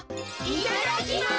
いただきます！